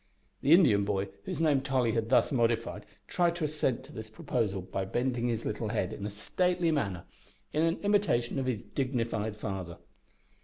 The Indian boy, whose name Tolly had thus modified, tried to assent to this proposal by bending his little head in a stately manner, in imitation of his dignified father.